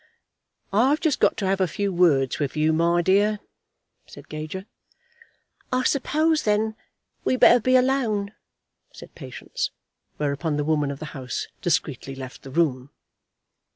"I've just got to have a few words with you, my dear," said Gager. "I suppose, then, we'd better be alone," said Patience; whereupon the woman of the house discreetly left the room.